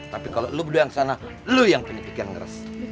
tapi kalo lu berdua yang kesana lu yang penipikan ngeres